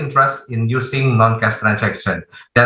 dalam menggunakan transaksi tanpa kasus